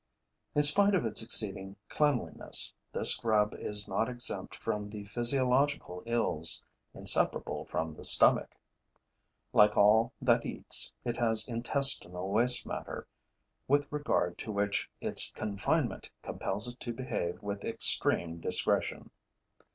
In spite of its exceeding cleanliness, this grub is not exempt from the physiological ills inseparable from the stomach. Like all that eats, it has intestinal waste matter with regard to which its confinement compels it to behave with extreme discretion.